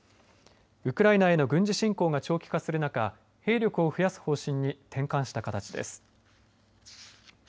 ウクライナへの軍事侵攻が長期化する中兵力を増やす方針に転換した形です。